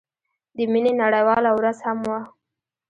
د مينې نړيواله ورځ هم وه.